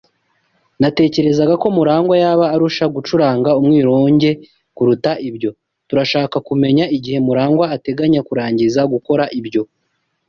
Natekerezaga ko MuragwA yaba arusha gucuranga umwironge kuruta ibyo. Turashaka kumenya igihe MuragwA ateganya kurangiza gukora ibyo.